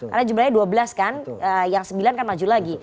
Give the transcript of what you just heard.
karena jumlahnya dua belas kan yang sembilan kan maju lagi